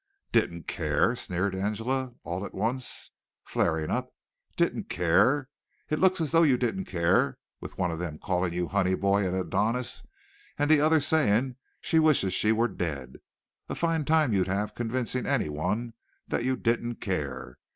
"Didn't care!" sneered Angela, all at once, flaring up. "Didn't care! It looks as though you didn't care, with one of them calling you Honey Boy and Adonis, and the other saying she wishes she were dead. A fine time you'd have convincing anyone that you didn't care.